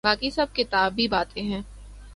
باقی سب کتابی باتیں ہیں۔